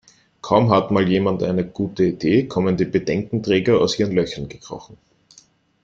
Kaum hat mal jemand eine gute Idee, kommen die Bedenkenträger aus ihren Löchern gekrochen.